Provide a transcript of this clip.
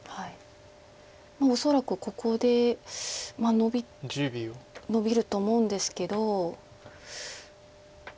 恐らくここでノビると思うんですけど。